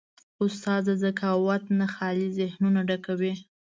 استاد د ذکاوت نه خالي ذهنونه ډکوي.